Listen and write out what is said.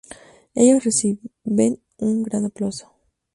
Ellos reciben un gran aplauso.